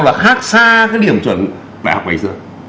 là khác xa điểm chuẩn đại học ngày xưa